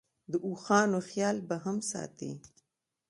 د اوښانو خیال به هم ساتې.